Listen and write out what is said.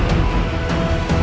saya akan menjaga kebenaran raden